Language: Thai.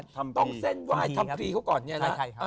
ทำพีเขาก่อนเนี่ยนะ